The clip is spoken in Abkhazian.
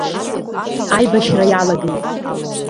Аибашьра иалагеит!